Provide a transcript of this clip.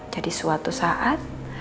jadi suatu saat